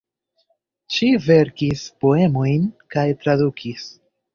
Ŝi verkis poemojn kaj tradukis.